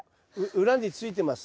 裏についてます。